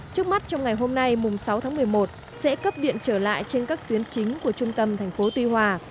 trước mắt trong ngày hôm nay mùng sáu tháng một mươi một sẽ cấp điện trở lại trên các tuyến chính của trung tâm thành phố tuy hòa